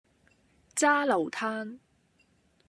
揸流灘